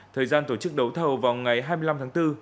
thời gian tổ chức đấu thầu vào ngày hai mươi năm tháng bốn